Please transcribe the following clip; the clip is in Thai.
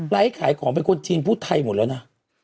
ขายของเป็นคนจีนพูดไทยหมดแล้วนะ